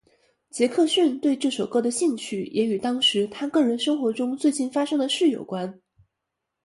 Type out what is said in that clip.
杰克逊对这首歌的兴趣也与当时他个人生活中最近发生的事有关。